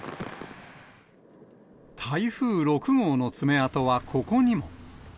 台風６号の爪痕はここにも。